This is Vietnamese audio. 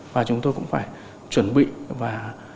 và chúng tôi cũng phải chuẩn bị và